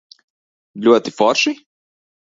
Ļoti forši?